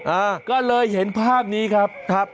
อ่าก็เลยเห็นภาพนี้ครับครับ